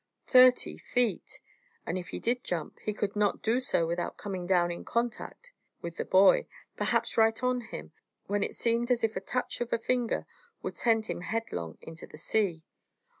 Thirty feet! And if he did jump, he could not do so without coming down in contact with the boy, perhaps right on him, when it seemed as if a touch of a finger would send him headlong into the sea.